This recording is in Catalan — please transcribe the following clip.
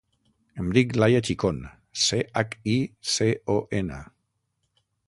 Em dic Laia Chicon: ce, hac, i, ce, o, ena.